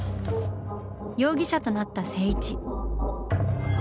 容疑者となった静一。